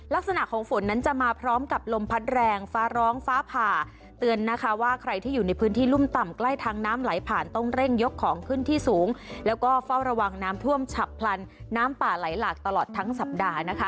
ลักษณะของฝนนั้นจะมาพร้อมกับลมพัดแรงฟ้าร้องฟ้าผ่าเตือนนะคะว่าใครที่อยู่ในพื้นที่รุ่มต่ำใกล้ทางน้ำไหลผ่านต้องเร่งยกของขึ้นที่สูงแล้วก็เฝ้าระวังน้ำท่วมฉับพลันน้ำป่าไหลหลากตลอดทั้งสัปดาห์นะคะ